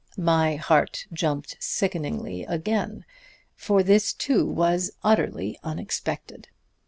My heart jumped sickeningly again, for this too was utterly unexpected.